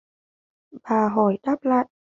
Bà bỏ đáp lại